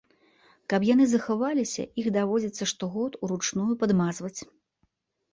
Каб яны захаваліся, іх даводзіцца штогод уручную падмазваць.